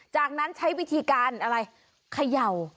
จากนั้นใช้วิธีการอะไรเขย่า